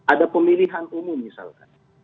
ada pemilihan umum misalkan